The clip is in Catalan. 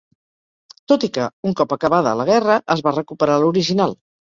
Tot i que, un cop acabada la guerra, es va recuperar l'original.